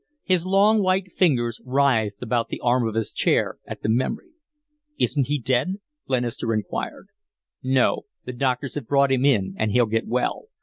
His long white fingers writhed about the arm of his chair at the memory. "Isn't he dead?" Glenister inquired. "No. The doctors have brought him in and he'll get well.